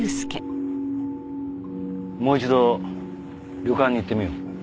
もう一度旅館に行ってみよう。